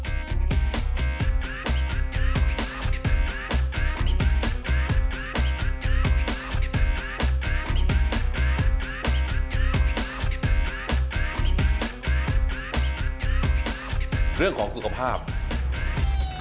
เอาล่ะเดินทางมาถึงในช่วงไฮไลท์ของตลอดกินในวันนี้แล้วนะครับ